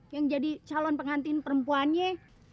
yang jadi calon pengantin perempuannya